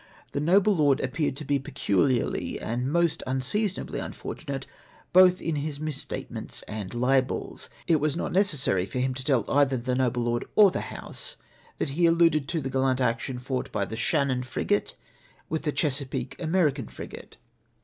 The noble lord appeared to be peculiarly and most unseason ably unfortunate both in his mis statements and libels. It was not necessary for him to tell either the noble lord or the House that he alluded to the gallant action fought by the Shan'iioii frigate with the Chesapeake American frigate.